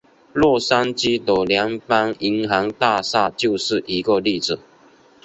洛杉矶的联邦银行大厦就是一个例子。